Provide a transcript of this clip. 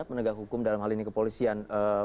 penegak hukum dalam hal ini kepolisian